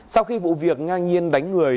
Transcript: sau khi vụ việc ngang nhiên đánh người